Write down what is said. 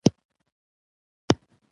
د همدرد کیسه پاتې شوه.